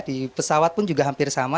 di pesawat pun juga hampir sama